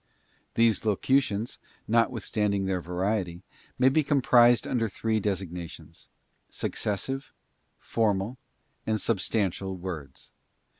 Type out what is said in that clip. These locutions, notwithstanding their variety, may be comprised under three designations: Successive, Formal, and Substantial Words.